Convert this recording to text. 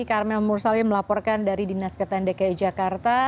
karmel mursali melaporkan dari dinas ketan dki jakarta